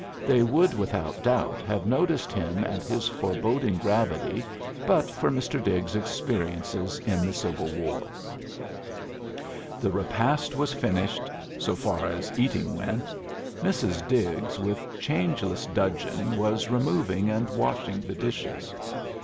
They would without doubt have noticed him and his foreboding gravity but for Mr. Diggs's experiences in the Civil War. The repast was finished so far as eating went. Mrs. Diggs with changeless dudgeon was removing and washing the dishes.